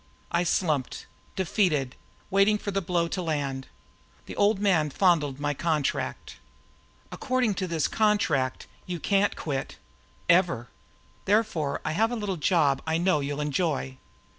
I slumped, defeated, waiting for the blow to land. The Old Man fondled my contract. "According to this document, you can't quit. Ever. Therefore I have a little job I know you'll enjoy.